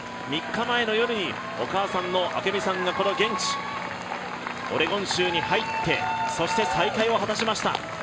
３日前の夜にお母さんの明美さんがこの現地、オレゴン州に入って、そして再会を果たしました。